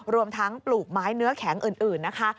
รวมทั้งปลูกไม้เนื้อแข็งอื่นนะคะ